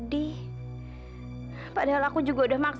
padahal aku juga udah maksa perasaan aku supaya aku juga ikut bahagia